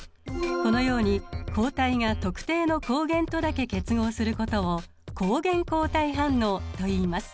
このように抗体が特定の抗原とだけ結合することを抗原抗体反応といいます。